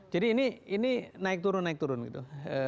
jadi ini naik turun naik turun gitu